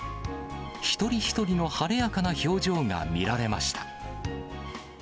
一人一人の晴れやかな表情が見られました。